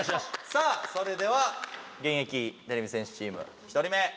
さあそれでは現役てれび戦士チーム１人目。